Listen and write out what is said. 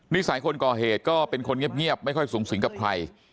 นิสัยคนก่อเหตุก็เป็นคนเงียบไม่ค่อยสูงสิงกับใคร